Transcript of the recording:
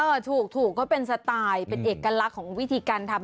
ถูกก็เป็นสไตล์เป็นเอกลักษณ์ของวิธีการทำ